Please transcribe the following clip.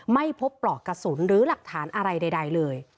ไม่พบปลอกกระสุนหรือหลักฐานอะไรใดเลย